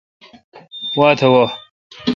واتہ وہ۔